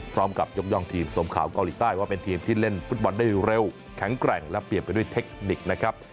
ยกย่องทีมสมข่าวเกาหลีใต้ว่าเป็นทีมที่เล่นฟุตบอลได้เร็วแข็งแกร่งและเปรียบไปด้วยเทคนิคนะครับ